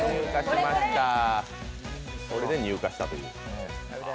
それで乳化したという。